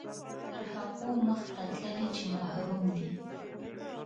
تر هغو مخته تللي چې محروم دي.